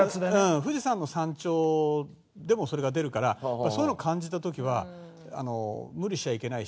富士山の山頂でもそれが出るからやっぱそういうの感じた時は無理しちゃいけないし。